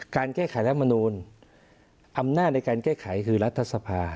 การแก้ไขรัฐมนูลอำนาจในการแก้ไขคือรัฐสภา